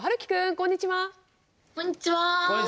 こんにちは！